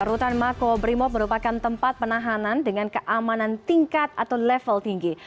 rutan mako brimob merupakan tempat penahanan dengan keamanan tingkat atau level tinggi